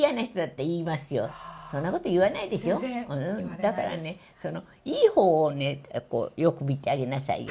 だからね、いいほうをね、よく見てあげなさいよ。